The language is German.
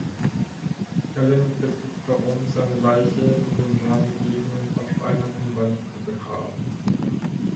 Alan bittet darum, seine Leiche in dem nahegelegenen Versteinerten Wald zu begraben.